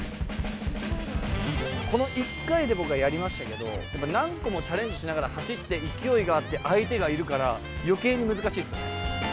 この一回で僕はやりましたけど、何個もチャレンジしながら走って、相手がいるから、余計に難しいですよね。